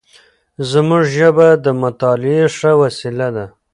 زموږ ژبه د مطالعې ښه وسیله ده.